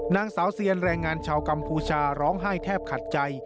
นางสาวเซียนแรงงานชาวกัมพูชาร้องไห้แทบขัดใจ